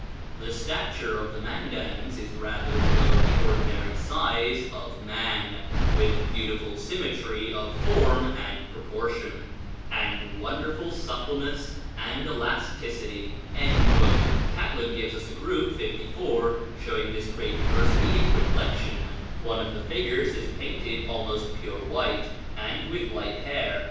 "The stature of the Mandans is rather below the ordinary size of man, with beautiful symmetry of form and proportion, and wonderful suppleness and elasticity." Catlin gives a group (54) showing this great diversity in complexion: one of the figures is painted almost pure white, and with light hair.